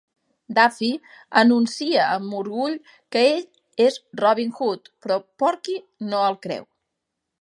Daffy anuncia amb orgull que ell és Robin Hood, però Porky no el creu.